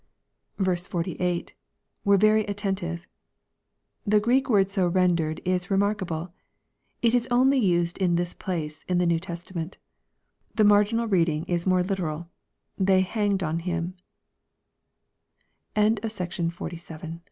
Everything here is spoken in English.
4s. —[ Were very atteniwe,] The Greek word so rendered is remark able. It is only used in this place in the New Testament The marginal reading is more literal. They ^^ hanged on him." LtJEJS XX. 1—8.